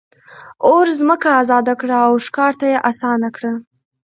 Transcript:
اور ځمکه آزاده کړه او ښکار ته یې آسانه کړه.